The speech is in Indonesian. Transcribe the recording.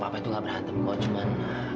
sama papa itu nggak berantem kok cuman